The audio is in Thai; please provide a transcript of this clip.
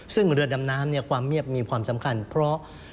ซึ่งเรือดำน้ำความเงียบมีความสำคัญเพราะ